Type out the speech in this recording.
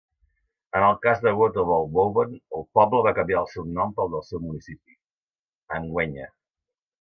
En el cas de Waterval Boven, el poble va canviar el seu nom pel del seu municipi, Emgwenya.